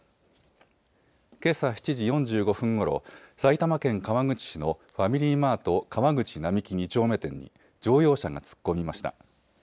けさ７時４５分ごろ埼玉県川口市のファミリーマート川口並木二丁目店に乗用車が突っ込みました。